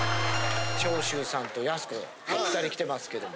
長州さんとやす子２人来てますけども。